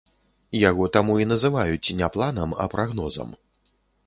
Яго таму і называюць не планам, а прагнозам.